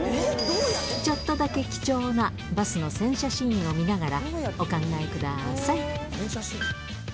ちょっとだけ貴重なバスの洗車シーンを見ながらお考えください。